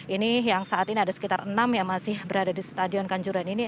ini yang saat ini ada sekitar enam yang masih berada di stadion kanjuruhan ini